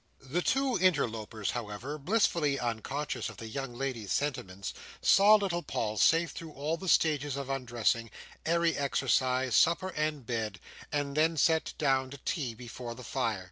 The two interlopers, however, blissfully unconscious of the young lady's sentiments, saw little Paul safe through all the stages of undressing, airy exercise, supper and bed; and then sat down to tea before the fire.